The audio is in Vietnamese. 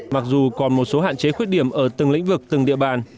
mặc dù còn một số hạn chế khuyết điểm ở từng lĩnh vực từng địa bàn